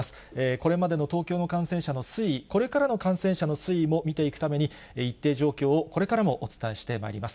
これまでの東京の感染者の推移、これからの感染者の推移も見ていくために、一定状況をこれからもお伝えしてまいります。